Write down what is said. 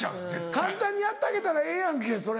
簡単にやってあげたらええやんけそれ。